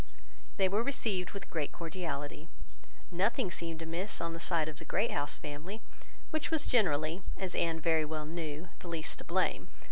They were received with great cordiality. Nothing seemed amiss on the side of the Great House family, which was generally, as Anne very well knew, the least to blame.